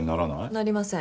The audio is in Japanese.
なりません。